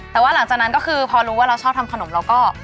แต่ว่าหลังจากนั้นก็คือพอรู้ว่าเราชอบทำขนมเราก็